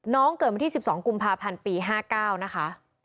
น้องเกิดมาที่สิบสองกุมภาพันธ์ปีห้าเก้านะคะ